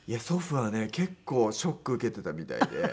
祖父はね結構ショック受けてたみたいで。